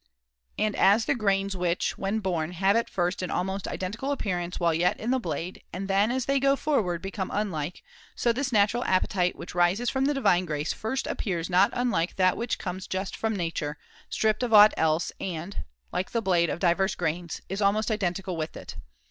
And as the grains which, when born, have at first an almost identical appearance while yet in the blade, and then, as they go [40J forward, become unlike, so this natural appetite, which rises from the divine grace, at first appears not unlike that which comes just from nature, stripped of aught else, and (like the blade of divers grains) is almost identical with it.